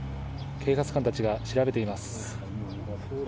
警察官たちが調べています。